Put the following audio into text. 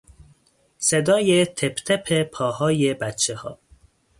صدای تپ تپ پاهای بچهها